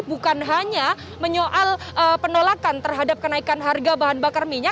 bukan hanya menyoal penolakan terhadap kenaikan harga bbm